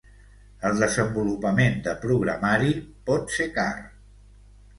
El desenvolupament de programari pot ser car.